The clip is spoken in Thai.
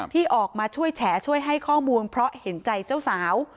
ที่ออกมาช่วยแฉช่วยให้ข้อมูลเพราะเห็นใจเจ้าสาว